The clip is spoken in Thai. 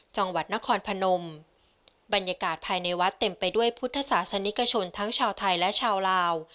จังหวัดนครพนมบรรยากาศภายในวัดเต็มไปด้วยพุทธศาสนิกชนทั้งชาวไทยและชาวลาว